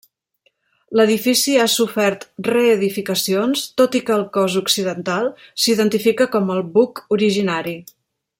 L'edifici ha sofert reedificacions, tot i que el cos occidental s'identifica com el buc originari.